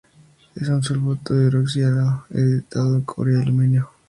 Es un sulfato hidroxilado e hidratado de cobre y aluminio.